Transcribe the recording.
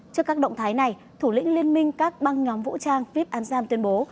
trước các động thái này thủ lĩnh liên minh các băng nhóm vũ trang vip an sam tuyên bố